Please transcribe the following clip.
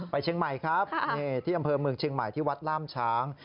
เชียงใหม่ครับที่อำเภอเมืองเชียงใหม่ที่วัดล่ามช้าง